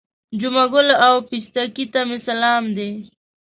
جمعه ګل او پستکي ته مې سلام دی.